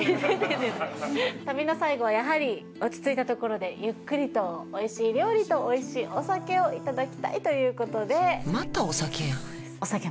旅の最後はやはり落ち着いたところでゆっくりとおいしい料理とおいしいお酒をいただきたいということでまたお酒やん